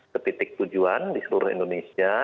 ketitik tujuan di seluruh indonesia